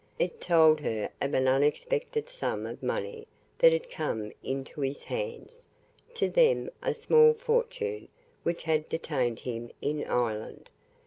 It told her of an unexpected sum of money that had come into his hands to them a small fortune which had detained him in Ireland.